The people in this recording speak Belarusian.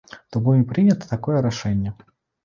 Таму і прынята такое рашэнне.